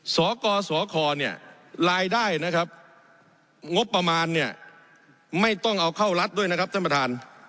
สกสคเนี่ยรายได้นะครับงบประมาณเนี่ยไม่ต้องเอาเข้ารัฐด้วยนะครับท่านประธาน